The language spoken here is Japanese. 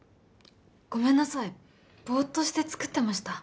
ごめんさいぼーっとして作ってました